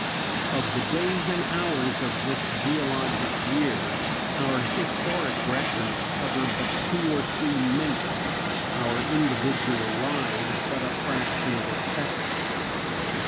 Of the days and hours of this geologic year, our historic records cover but two or three minutes, our individual lives but a fraction of a second.